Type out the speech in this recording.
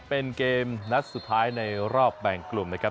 เป็นเกมนัดสุดท้ายในรอบแบ่งกลุ่มนะครับ